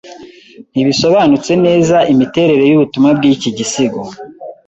ntibisobanutse neza imiterere yubutumwa bwiki gisigo